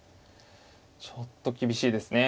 ちょっと厳しいですね。